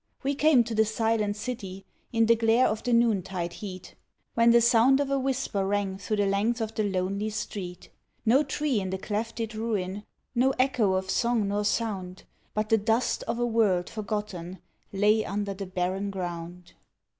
We came to the silent city, in the glare of the noontide heat, When the sound of a whisper rang through the length of the lonely street; No tree in the clefted ruin, no echo of song nor sound, But the dust of a world forgotten lay under the barren ground.